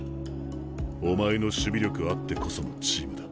お前の守備力あってこそのチームだ。